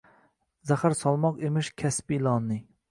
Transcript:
Zahar solmoq emish kasbi ilonning